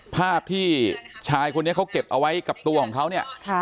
ภาพที่ชายคนนี้เขาเก็บเอาไว้กับตัวของเขาเนี่ย